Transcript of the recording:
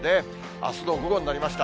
あすの午後になりました。